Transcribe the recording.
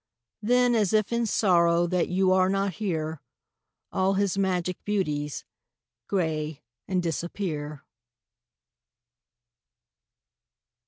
Then, as if in sorrow That you are not here, All his magic beauties Gray and disappear.